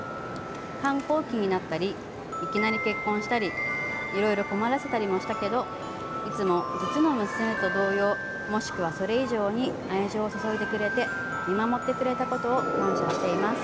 反抗期になったりいきなり結婚したりいろいろ困らせたりもしたけどいつも実の娘と同様もしくは、それ以上に愛情を注いでくれて見守ってくれたことを感謝します。